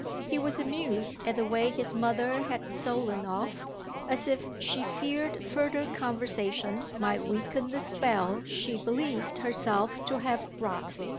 He was amused at the way his mother had stolen off as if she feared further conversation might weaken the spell she believed herself to have wrought.